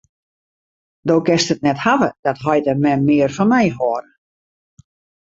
Do kinst it net hawwe dat heit en mem mear fan my hâlde.